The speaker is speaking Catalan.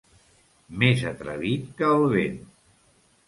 Més atrevit que el vent.